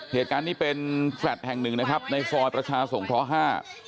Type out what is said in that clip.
เหตุการณ์นี้เป็นแฟลต์แห่งหนึ่งนะครับในซอยประชาสงเคราะห์ห้า